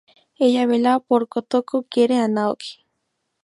Ella vela por Kotoko, Quiere a Naoki.